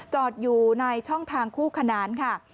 จอดอยู่ในช่องทางคู่ขนานค่ะ